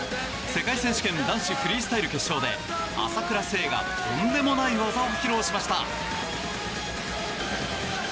世界選手権男子フリースタイル決勝で朝倉聖がとんでもない技を披露しました。